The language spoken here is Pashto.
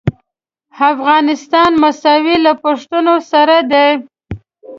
افغانستان مساوي له پښتنو سره دی.